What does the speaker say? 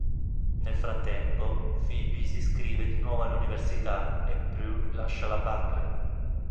Nel frattempo, Phoebe si iscrive di nuovo all'università e Prue lascia la Buckland.